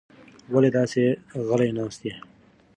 ولې داسې غلې ناسته یې؟